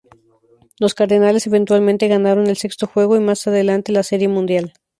Los Cardenales eventualmente ganaron el sexto juego y, más adelante, la Serie Mundial.